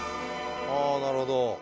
あなるほど。